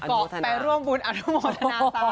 ก็ไปร่วมบุญอาณหมดทะนา